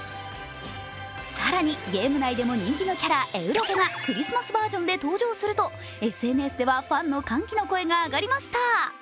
更にゲーム内でも人気のキャラ、エウロペがクリスマスバージョンで登場するとＳＮＳではファンの歓喜の声が上がりました。